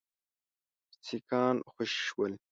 سیکهان خوشي شول.